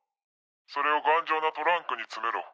それを頑丈なトランクに詰めろ。